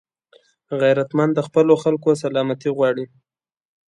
غیرتمند د خپلو خلکو سلامتي غواړي